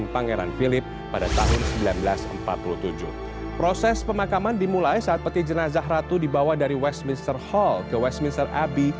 pertama saat peti jenazah ratu dibawa dari westminster hall ke westminster abbey